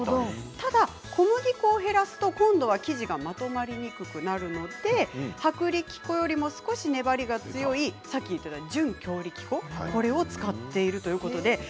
ただ小麦粉を減らすと今度は生地が、まとまりにくくなるので薄力粉よりも少し粘りが強い準強力粉を使っているということで。